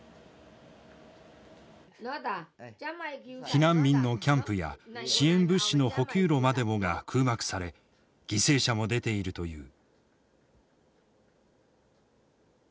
避難民のキャンプや支援物資の補給路までもが空爆され犠牲者も出ているという。